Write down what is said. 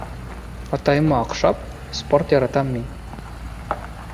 Атайыма оҡшап, спорт яратам мин.